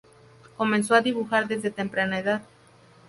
Comenzó a dibujar desde temprana edad.